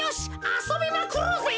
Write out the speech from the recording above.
あそびまくろうぜ。